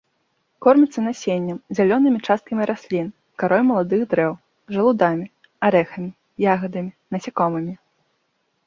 Корміцца насеннем, зялёнымі часткамі раслін, карой маладых дрэў, жалудамі, арэхамі, ягадамі, насякомымі.